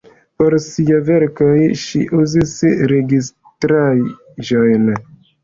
Por siaj verkoj ŝi uzis registraĵojn.